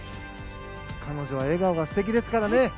彼女は笑顔が素敵ですからね。